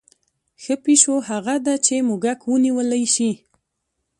ښه پیشو هغه ده چې موږک ونیولی شي.